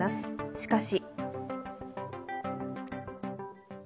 しかし。